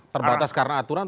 terbatas karena aturan